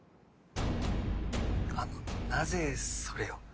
あのなぜそれを？